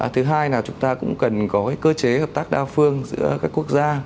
thứ hai là chúng ta cũng cần có cơ chế hợp tác đa phương giữa các quốc gia